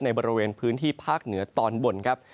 บริเวณพื้นที่ภาคเหนือตอนบนครับ